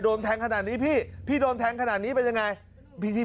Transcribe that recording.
โดนแทงขนาดนี้พี่พี่โดนแทงขนาดนี้เป็นยังไง